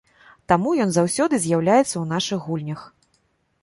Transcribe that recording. Таму ён заўсёды з'яўляецца ў нашых гульнях.